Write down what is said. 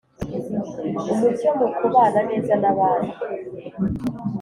’umucyo mu kubana neza n‘abandi